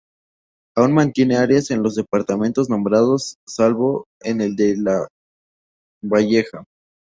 Aún mantiene áreas en los departamentos nombrados salvo en el de Lavalleja.